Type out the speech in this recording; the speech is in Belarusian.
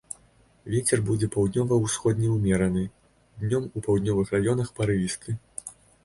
Вецер будзе паўднёва-ўсходні ўмераны, днём у паўднёвых раёнах парывісты.